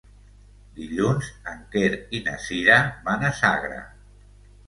Dilluns en Quer i na Sira van a Sagra.